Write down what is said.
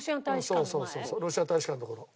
そうそうロシア大使館とこの。